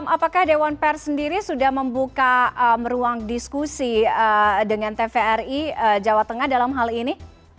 apakah dewan pers sendiri sudah membuka ruang diskusi dengan tvri jawa tengah dalam hal ini